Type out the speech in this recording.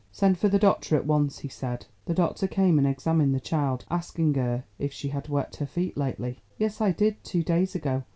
"Send for the doctor at once," he said. The doctor came and examined the child, asking her if she had wet her feet lately. "Yes, I did, two days ago.